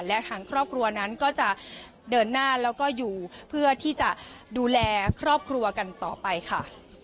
และทางครอบครัวนั้นก็จะเดินหน้าแล้วก็อยู่เพื่อที่จะดูแลครอบครัวกันต่อไปค่ะ